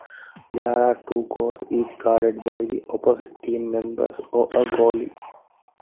There are two goals, each guarded by the opposite team members or a goalie.